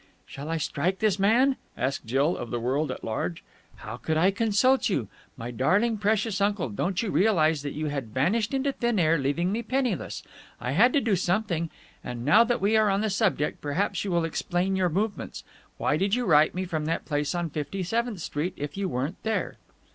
"Shall I strike this man?" asked Jill of the world at large. "How could I consult you? My darling, precious uncle, don't you realize that you had vanished into thin air, leaving me penniless? I had to do something. And, now that we are on the subject, perhaps you will explain your movements. Why did you write to me from that place on Fifty seventh Street if you weren't there?"